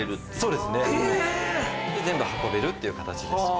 そうですね全部運べるっていう形ですね。